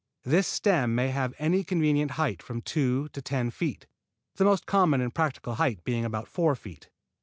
This stem may have any convenient height from two to ten feet, the most common and practical height being about four feet.